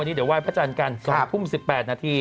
เดี๋ยวไห้พระจันทร์กัน๒ทุ่ม๑๘นาที